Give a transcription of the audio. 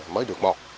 mới được một